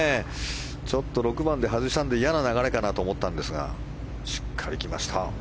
ちょっと６番で外したので嫌な流れかなと思ったんですがしっかり来ました。